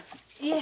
え？